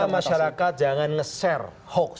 kita masyarakat jangan nge share hoax